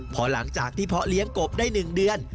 พอหลังจากที่เพาะเลี้ยงกบได้๑เดือน